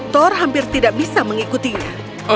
thor hampir tidak bisa mengikutinya